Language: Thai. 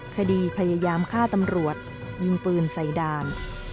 คดีพยายามฆ่าตำรวจยิงปืนใส่ด่าน